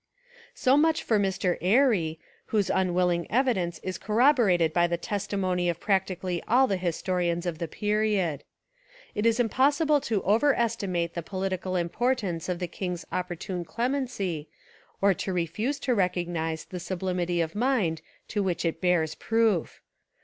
So much for Mr. Airy, whose unwilling evi dence is corroborated by the testimony of prac tically all the historians of the period. It is impossible to overestimate the political impor tance of the king's opportune clemency or to refuse to recognise the sublimity of mind to which it bears proof.